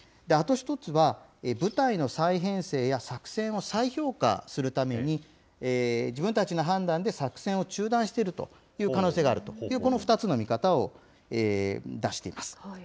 あと１つは、部隊の再編成や作戦を再評価するために、自分たちの判断で作戦を中断している可能性があると、この２つの見方を出しています。